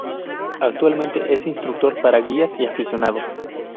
Actualmente es Instructor para Guías y Aficionados.